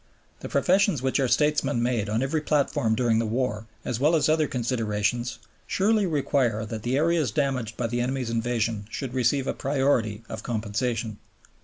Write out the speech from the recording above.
The professions which our statesmen made on every platform during the war, as well as other considerations, surely require that the areas damaged by the enemy's invasion should receive a priority of compensation.